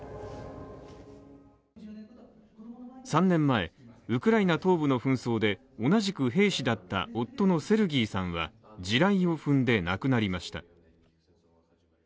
３年前、ウクライナ東部の紛争で同じく兵士だった夫のセルギーさんは地雷を踏んでなくなりました。